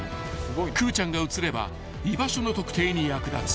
［くーちゃんがうつれば居場所の特定に役立つ］